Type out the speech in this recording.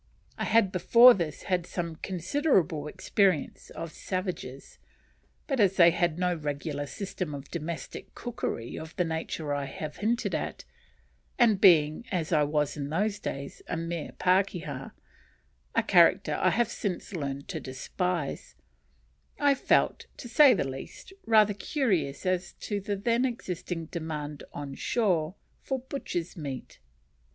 I had before this had some considerable experience of "savages," but as they had no regular system of domestic cookery of the nature I have hinted at, and being, as I was in those days, a mere pakeha (a character I have since learned to despise), I felt, to say the least, rather curious as to the then existing demand on shore for butchers' meat.